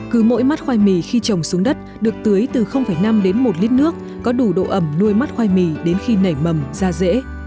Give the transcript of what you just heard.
cứ mỗi mắt khoai mì khi trồng xuống đất được tưới từ năm đến một lít nước có đủ độ ẩm nuôi mắt khoai mì đến khi nảy mầm da dễ